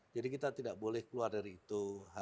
jadi kita tidak boleh keluar dari itu